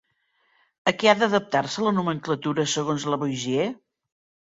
A què ha d'adaptar-se la nomenclatura segons Lavoisier?